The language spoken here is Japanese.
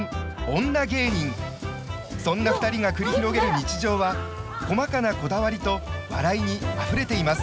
そんな２人が繰り広げる日常は細かなこだわりと笑いにあふれています。